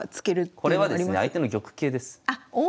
これはですね相手の玉形です。